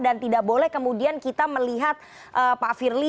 dan tidak boleh kemudian kita melihat pak firly